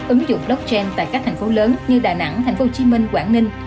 ứng dụng blockchain tại các thành phố lớn như đà nẵng tp hcm quảng ninh